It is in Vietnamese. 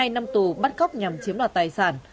một mươi hai năm tù bắt cóc nhằm chiếm đoạt tài sản